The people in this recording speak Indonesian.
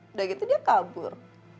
udah gitu dia kabur